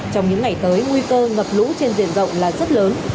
trong những ngày tới nguy cơ ngập lũ trên diện rộng là rất lớn